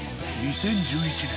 ２０１１年